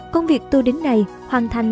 công việc tu đính này hoàn thành